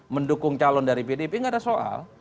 mendukung calon dari pdp tidak ada soal